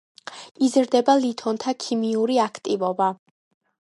იზრდება ლითონთა ქიმიური აქტივობა.